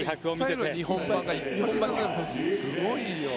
すごいよ。